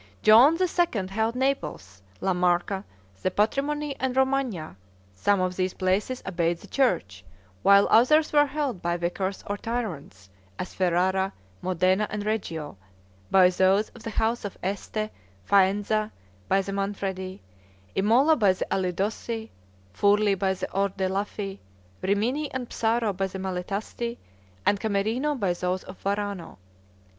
Joan II. held Naples, La Marca, the Patrimony and Romagna; some of these places obeyed the church, while others were held by vicars or tyrants, as Ferrara, Modena, and Reggio, by those of the House of Este; Faenza by the Manfredi; Imola by the Alidossi; Furli by the Ordelaffi; Rimini and Psaro by the Malatesti; and Camerino by those of Varano.